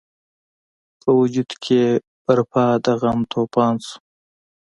په وجود کې یې برپا د غم توپان شو.